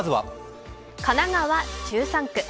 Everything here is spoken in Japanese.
神奈川１３区。